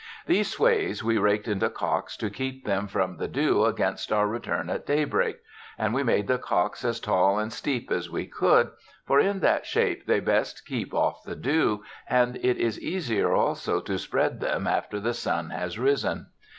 These swathes we raked into cocks to keep them from the dew against our return at daybreak; and we made the cocks as tall and steep as we could, for in that shape they best keep off the dew, and it is easier also to spread them after the sun has risen.